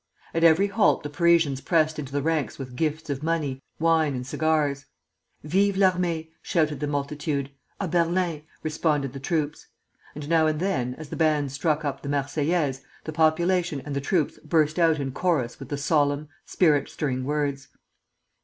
At every halt the Parisians pressed into the ranks with gifts of money, wine, and cigars. "Vive l'armée!" shouted the multitude. "A Berlin!" responded the troops; and now and then, as the bands struck up the "Marseillaise," the population and the troops burst out in chorus with the solemn, spirit stirring words.